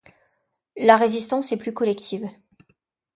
La résistance est plus collective.